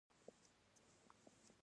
سړی يوې اوږدې کوټې ته ننوت.